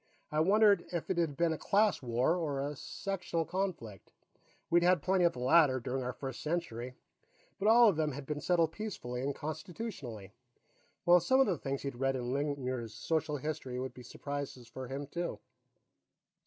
I wondered if it had been a class war, or a sectional conflict. We'd had plenty of the latter, during our first century, but all of them had been settled peacefully and Constitutionally. Well, some of the things he'd read in Lingmuir's Social History would be surprises for him, too.